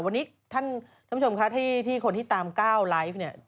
วันนี้ท่านผู้ชมคะที่คนที่ตามก้าวไลฟ์เนี่ย